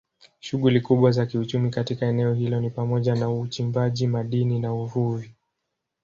Shughuli kubwa za kiuchumi katika eneo hilo ni pamoja na uchimbaji madini na uvuvi.